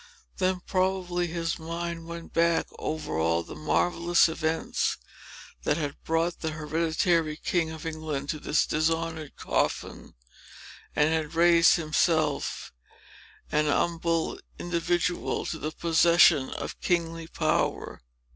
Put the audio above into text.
Then, probably, his mind went back over all the marvellous events, that had brought the hereditary king of England to this dishonored coffin, and had raised himself, an humble individual, to the possession of kingly power.